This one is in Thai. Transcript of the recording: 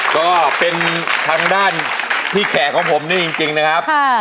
ก็เป็นทางด้านพี่แขกของผมนี่จริงนะครับ